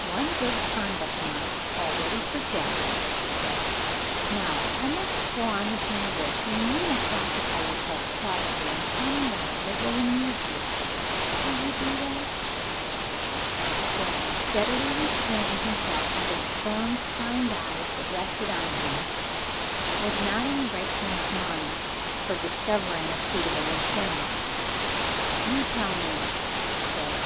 "One good conduct mark already for Jack," she said. "Now I must go on with my work; and you must occupy yourself quietly, in some way that will amuse you. What will you do?" Jack, steadily restraining himself under the firm kind eyes that rested on him, was not in the right frame of mind for discovering a suitable employment. "You tell me," he said.